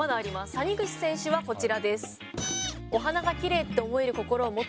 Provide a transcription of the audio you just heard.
谷口選手はこちらです。